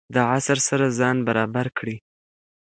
د عصر سره ځان برابر کړئ.